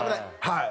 はい。